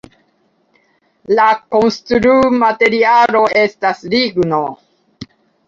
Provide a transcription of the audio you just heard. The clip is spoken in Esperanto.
La konstrumaterialo estas ligno.